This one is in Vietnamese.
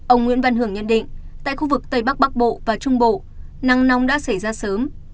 ông nguyễn văn hưởng nhận định tại khu vực tây bắc bắc bộ và trung bộ nắng nóng đã xảy ra sớm